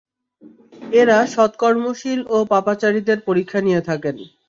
এরা সৎকর্মশীল ও পাপাচারীদের পরীক্ষা নিয়ে থাকেন।